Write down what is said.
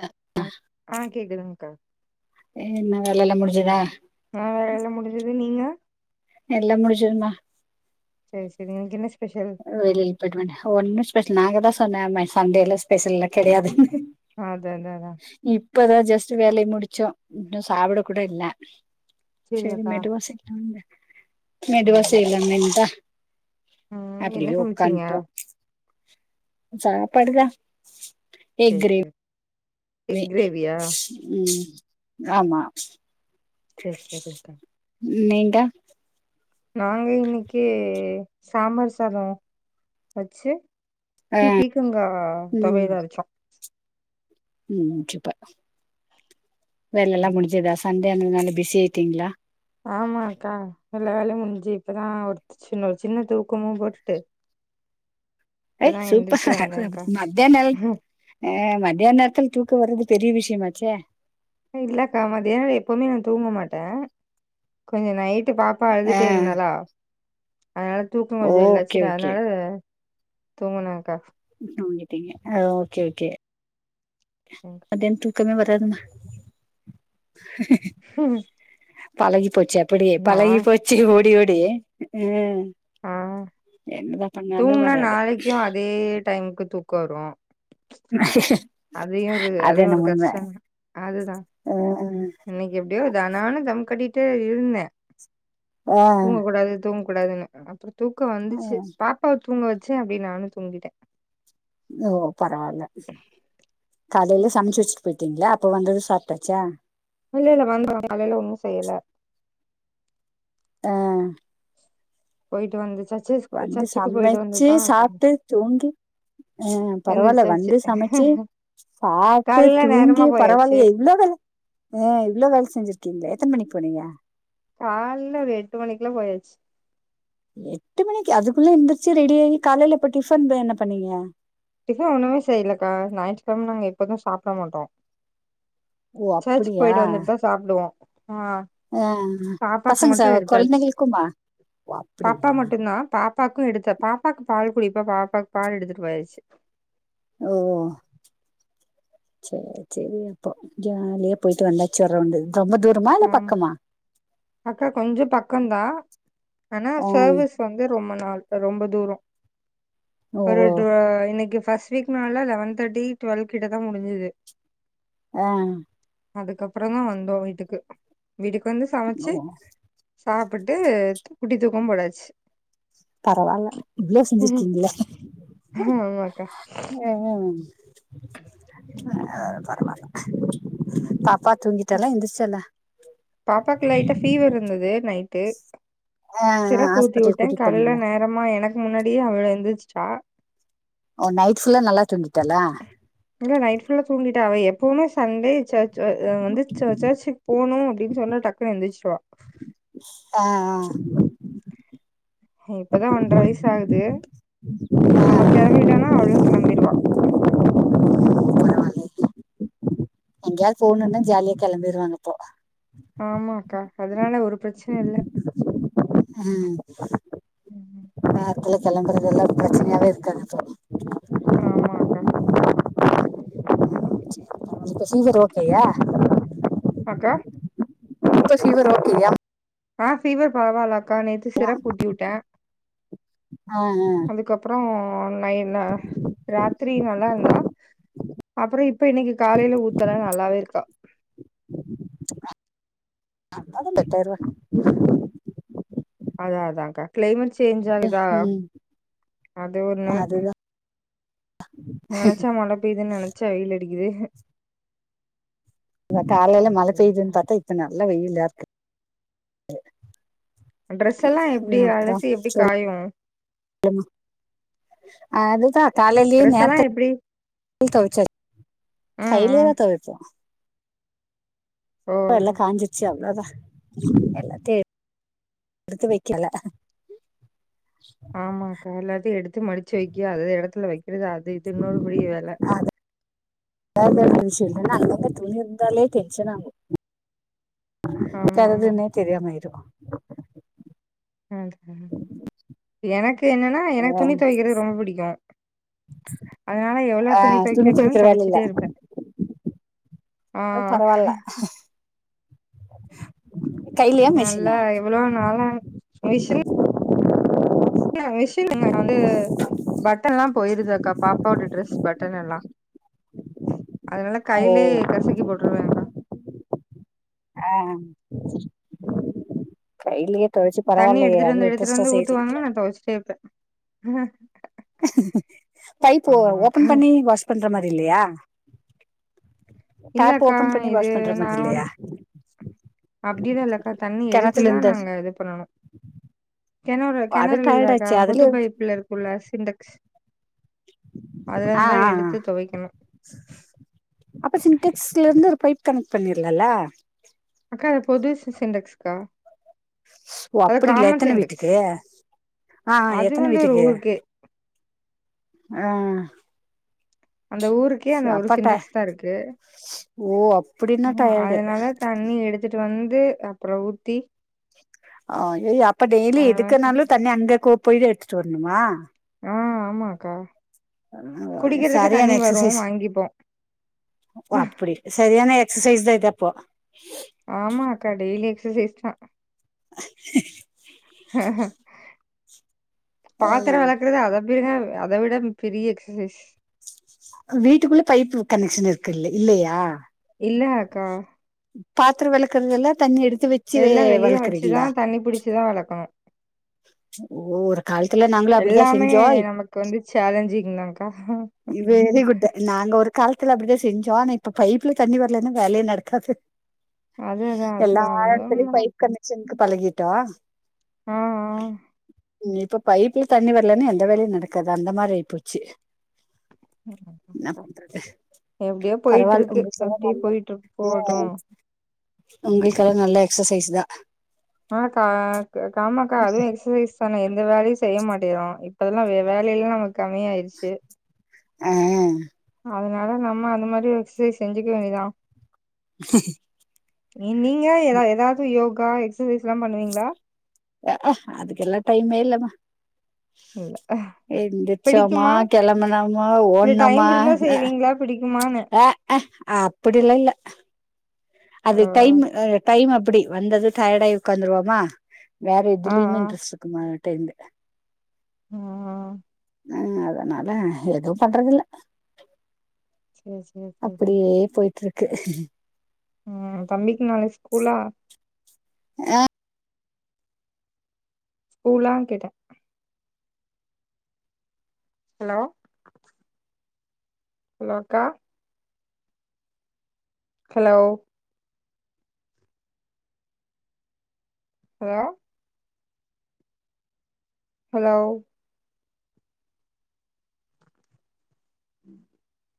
அ அ ஆ கேக்குதுங்கா ஏ என்ன வேலல்லா முடிஞ்சதா ஆ வேல முடிஞ்சது நீங்க எல்லா முடிஞ்சிருமா சரி சரிங்க இன்னிக்கு என்ன ஸ்பெஷல் வெளில போயிட்டுவன் ஒண்ணு ஸ்பெஷல் நாங்கதா சொன்ன ம சண்டேல்லா ஸ்பெஷல்லா கெடையாதுன்னு அதாங்க அதா இப்பதா ஜஸ்ட்டு வேலயை முடிச்சோ இன்னு சாப்ட கூட இல்ல செரி சேரி அக்கா மெதுவா செய்லாமங்க ஆ மெதுவா செய்லாமேன்தா ம் என்ன அப்படியே சமச்சீங்க உக்காந்துட்டோ சாப்பாடுதா சேரி சேரி மே ம் ஆமா சேரி சேரிங்க்கா ம் நீண்ட நாங்க இன்னைக்கி சாம்பார் சாதோ வச்சு ஆ பி பீக்கங்கா ம் தொவையல் அரச்சோ ம் சூப்பர் வேலைல்லா முடிஞ்சதா சண்டே அந்ததுனால பிசி ஆய்டீங்ளா ஆமா அக்கா எல்லா வேலையு முடிஞ்சு இப்பதா ஒரு சின்ன ஒரு சின்ன தூக்கமு போட்டுட்டு ஐ இப்பதா சூப்பர் எந்திரிச்சு வந்தேன்க்கா மத்தனல் அ மத்யான நேரத்துல தூக்க வர்றது பெரிய விஷயமாச்ச இல்லக்கா மதியானோ எப்பவுமே நா தூங்க மாட்ட கொஞ்சோ நைட்டு பாப்பா அழுதுட்டே ஆ இருந்தாளா அ தூக்கோ கொஞ்சோ இல்ல ஓகே சரி ஓகே அதனால தூங்குனாக்கா தூங்கிட்டீங்க அ ஓகே ஓகே தேங்க மத்தியானம் தூக்கமே வராதுமா ஹம் பழகி போச்சு அப்டியே பழகி போச்சு ஓடி ஓடி ம் ஆ என்னதா பண்ணாலு தூங்கனா வராது நாளைக்கு அதே டைமுக்கு தூக்க வரு ஆ ஹ ஹ அதையு ஒரு அது ஒரு கஷ்ட அதுதா அ இன்னைக்கு எப்டியோ தானான தம் கட்டிட்டு இருந்தே ஆ தூங்கக்க கூடாது தூங்க கூடாதுன்னு அப்புறோ தூக்க அ வந்துச்சு பாப்பாவை தூங்க வச்சே அப்படி நானு தூங்கிட்டே ஓ பரவால்ல காலையில சமைச்சு வெச்சுட் போயிருங்கிங்ளா அப்ப வந்து சாப்ட்டாச்சா இல்லெல்ல வந்தாங்க காலையில ஒன்னு செய்யல ஆ போயிட்டு வந்துச்சா வந்து சமைச்சு சாப்ட்டு தூங்கி அ பரவால்ல எந்திரிச்சாச்சு வந்து சமைச்சு சாப்டு காலைல நேரமா தூங்கி போயாச்சு பரவாலயே இவ்ளோ வேல ஆ இவ்வளோ வேல செஞ்சிருக்கீங்ளே எத்தன் மணிக்கி போனீங்க கால்ல ஒரு எட்டு மணிக்குலா போயாச்சு எட்டு மணிக்கு அதுக்குள்ள எந்திருச்சு ரெடி ஆகி காலைல இப்ப டிஃபன் என்ன பண்ணீங்க டிஃபன் ஒண்ணுமே செய்யில்லக்க ஞாயிற்றுக்கெழம நாங்க எப்பது சாப்ட மாட்டோ ஓ சர்ச்சு அப்படியா போயிட்டு வந்துட்டுதா சாப்டுவோ ஆ ஆ பாப்பாக்கு பசங்க ச மட்டு எடுத்தாச்சு கொழந்தைங்களுக்குமா ஓ பாப்பா அப்படியா மட்டும்தா பாப் பாப்பாவுக்கும் எடுத்த பாப்பாக்கு பால் குடிப்பா பாப்பாவுக்கு பால் எடுத்துட்டு போயாச்சு ஓ சேர் சேரி அப்போ ஜாலியே போயிட்டு வந்தாச்சு ஒர் ரௌண்டு ரொம்ப தூர ஆ அக்கா கொஞ்சோ பக்கோதா ஆனா ஆ சர்வீஸ் வந்து ரொம்ப நாள் ரொம்ப தூரோ ஓ ஒரு டூ இன்னைக்கி ஃபஸ்ட் வீக் நாள்ல லெவன் தேர்டி டுவல் கிட்ட தா முடிஞ்சது ஆ அதுக்கப்புறோ தா வந்தோ வீட்டுக்கு வீட்டுக்கு வந்து ஓ சமைச்சு சாப்ட்டுட்டு குட்டி தூக்கோ போடாச்சு பரவால்ல இவ்ளோ செஞ்சிருக்கீங்கள ஆமாக்கா ம் ஆ பரவல்ல [unintelligible] ப்பா தூங்கிடாலா ஏந்திறிச்சிட்டாளா பாப்பாக்கு லைட்டா பீவர் இருந்தது நைட்டு ஆ சிரப்பு ஊத்தி ஹாஸ்பிட்டல் உட்டே கூட்டிட்டு கால்ல போனீங்களா நேர மா எனக்கு முன்னாடிே அவ ஏந்துறிச்சுட்டா ஓ நைட் ஃபுல்லா நல்லா தூங்கிட்டாலா இல்ல நைட் ஃபுல்லா தூங்கிட்டா அவ எப்போவு சண்டே சர்ச் ச அ வந்து சர்ச்சுக்கு போணு அப்டி இப்டி சொன்னா டக்குன்ன எந்திரிச்சிருவா ஆ ஆ அவளுக் இப்பதா ஒன்ற வயசாகுது நம்ம கிளம்பிட்டானா அவளு கிளம்பிருவா எங்கேயாது போணுன்னா ஜாலியா கெளம்பிடுவாங்க அப்போ ஆமாக்கா அதனால அது ஒரு பிரச்சனையு இல்ல ம் ம் ம் நேரத்துல கெளம்புறதெல்லா பிரச்சனையாவே இருக்காது அப்போ ஆமாக்கா இந்த ப்ரொசீஜர் ஓகே யா அக்கா [unintelligible] ஃபீவர் ஓகே யா ஆ ஃபீவர் பரவால்லக்கா நேத்து சிரப்பு ஊத்தி விட்டே ஆ ஆ அதுக்கப் ப்புறோ நை ராத்திரி நல்லாருந்தா அப்புறோ இப் இப்ப இன்னைக்கி காலையில ஊத்தல நல்லாவேருக்கா [unintelligible] அதெல்ல தெர்ல அதா அதான்கா க்ளைமேட் சேஞ்ச் ஆகுதா ம் அது ஒண்ணு அதுதான் நெனச்சா மழ பெய்து நெனச்சா வெயில் அடிக்குது அ தாரேல மழ சரிக்கா பெய்துன் பாத்தா இப்ப நல்ல வெயில்லாருக்கு ட்ரெஸ் எல்லா எப்டி அலசி எப்டி காயு லமா அதுதா காலிலே ட்ரெஸ் எல்லா நேத்து எப்டி உ துவச்ச ம் ம் கைலேதா துவப்ப ஓ அ எல்லா காஞ்சிர்ச்சு அவ்ளோதா எல்லாத்தே எடுத்து வெக்கல ஆமான்கா எல்லாத்தையு எடுத்து மடிச்சு வைக்க அதது இடத்துல வை இதுல அது இது இன்னொருபடி வேல வே ம் விஷ்யு என்னன்னா அங்கங்க துணி இருந்தாலே டென்ஷன் ஆகு ஆமா ஆமா க்கதுதுனே தெரிமா இரு ம் எனக்கு என்னன்னா என ஆ, துணி துவைக்கிறது ரொம்ப பிடிக்கு அதனால எவ்ளோ ஆ, துணி துவக்க விட்டாலு துவைக்கிற வேலை இல்ல துவச்சிட்டே இருப்பே ஆ அ பரவால்ல [unintelligible] கையிலயா நல்ல மிஷினா எவ்ளோ நாளா விஷ்ஷுன் என்ன விஷயங்க வந்து பட்டன்ல்லா போயிருதா அக்கா பாப்பாவோட ட்ரெஸ் பட்டன் எல்லா அதனால ஓ கைலே கசக்கி போட்ருவன்க்கா ஆ கைலியே தண்ணி எடுத்துட்டு வந்து எடுத்துட்டு வந்து ஊத்துவாங்கு நா துவச்சிட்டே இருப்பே பைப்போ ஓபன் ஆமாக்கா பண்ணி வாஷ் பண்ற மாதி இல்லயா டேப் இல்லக்கா ஓபன் பண்ணி இது வாஷ் பண்ற மாதி இல்லையா அப்டிதா இல்லக்கா தண்ணி கிணத்துல எடுத்துதா இருந்து நாங்க இது பண்ணனு கெணறோ அது கெணறு டயர்ட் இல்லக்கா ஆச்சு பொது அதுலயே பைப்லர் உள்ள சிண்டக்ஸ் அதுல ஆ இந்தா ஆ ஆ. எடுத்து துவைக்கணு அப்ப சின்டெக்ஸ்ல இருந்து ஒரு பைப் கனெக் பண்ணிர்லல்ல அக்கா அத பொது சி சிண்டெக்ஸ்கா ஓ அது அப்படிங்களா காமன் எத்தன சென்டுக்ஸ் வீட்டுக்கு ஆ ஆ அது எத்தன வந்து ஒரு வீட்டுக்கு ஊருக்கே ஆ அந்த ஊருக்கே ச அந்த ஒரு அப்ப ட சிண்டக்ஸ் தா இருக்கு ஓ அப்படின்னா ம் டயர்டு அதனாலத் தண்ணி எடுத்துட்டு வந்து அப்ற ஊத்தி ஆ எய் அப்ப டெய்லி அ எதுக்குனாலு தண்ணி அங்க கோ போய்டு எடுத்துட்டு வரணுமா ஆ ஆமாக்கா குடிக்கிறதுக்கு சரியான தண்ணி வரும் எக்ஸசைஸ் வாங்கிப்போம். ஓ அப்படி சரியான எக்ஸசைஸ் தா இதப்போ ஆமா அக்கா டெய்லி எக்ஸசைஸ் தா ஹஹ பாத்திர ம். வெளக்குறது அத அப்யேதாவ்வு அத விட பெரிய எக்சசைஸ் வீட்டுக்குள்ள பைப்பு கனெக்ஷன் இருக்குல்லே இல்லையா இல்ல அக்கா பாத்துர வெளக்கறதெல்லா தண்ணி எடுத்து வை எல்லா வெளிய வச்சுதா தண்ணி பிடிச்சிதா வளக்கணு ஒ ஓர் காலத்துல நாங்களு எல்லாமே அப்டிதாசெஞ்சோம் இப் நமக்கு வந்து சேலஞ்சிங் தான்க்கா. வெரி குட்டு நாங்க ஒரு காலத்துல அப்டிதா செஞ்சோ ஆன இப்ப பைப்புல தண்ணி வரலன்னா வேலையே நடக்காது அது அதான் எல்லா அதுதான் ஆய்ர்த்திலயும் உண்மதான். பைப் கனெக்ஷன்க்கு பழகிட்டா ம் ம் இப்ப பைப்புல தண்ணி வரலன்னா எந்த வேலையும் நடக்காது அந்த மாரி ஆய்போச்சு என்ன ஆ. பண்றது எப்படியோ போயிட்டுருக்கு. அப்படியே பரவாயில்ல போயிட்டுருக்கு போகட்டும். [unintelligible] உங்களுக்கெல்லா நல்லா எக்ஸசைஸ் தா அ கா காமாக்கா அதுவு எக்ஸசைஸ் தானே எந்த வேலயு செய்ய மாட்டேகுறோ இப்ப அதெல்லா வே வேலயு நமக்கு கம்மியாயிருச்சு அ அதனால நம்ம அந்த மாரி எக்ஸசைஸ் செஞ்சுக்க வேண்டியதா நீங்க எதோ எதாவது யோகா எக்ஸசைஸ்ல்லா பண்ணுவீங்ளா அக்அ அதுகெல்லா டைமே இல்லமா இல்ல எந்திரிச்சோமா பிடிக்குமா கெளம்புனோமா இல்ல டைம் ஓடுணோமா இருந்தா செய்வீங்களா பிடிக்குமான்னு அ அப்பிடில்லா இல்ல ஓ, அது டைம் டைம் அப்டி வந்தது டயட்டாயி உட்காந்துருவமா வேற ஆ எதுலயுமே ஆ இன்ட்ரெஸ்ட் இருக்க மாட்டேந்து ம் ம் அதனால எதுவு பண்றதில்ல சேர் அப்டியே போயிட்டு இருக்கு ம் தம்பிக்கு நாளிக்கு ஸ்கூல்லா அ ஸ்கூல்லா கேட்ட ஹலோ ஹலோ அக்கா ஹலோ ஏ ஹலோ உம்